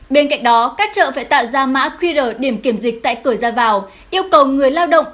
bên cạnh đó các chợ phải tạo ra mã qr điểm kiểm dịch tại cửa ra vào yêu cầu người lao động